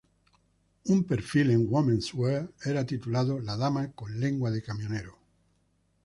Un perfil en "Women's Wear" era titulado "La dama con lengua de camionero".